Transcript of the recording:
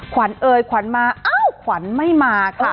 ขวันเอยขวันมาอ้าวขวันไม่มาค่ะ